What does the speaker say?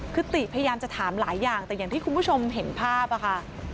คือติพยายามจะถามหลายอย่างแต่อย่างที่คุณผู้ชมเห็นภาพค่ะ